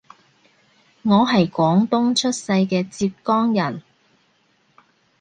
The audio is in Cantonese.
我係廣東出世嘅浙江人